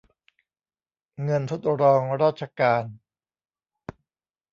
เงินทดรองราชการ